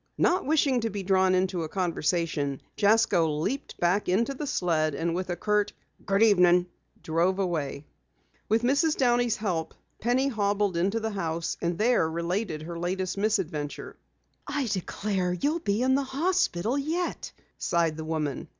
Not wishing to be drawn into a conversation, Jasko leaped back into the sled, and with a curt, "Good evening," drove away. With Mrs. Downey's help, Penny hobbled into the house, and there related her latest misadventure. "I declare, you'll be in the hospital yet," sighed the woman.